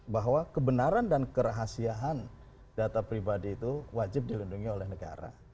bahwa kebenaran dan kerahasiaan data pribadi itu wajib dilindungi oleh negara